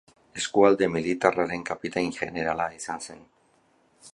Eskualde Militarraren kapitain-jenerala izan zen.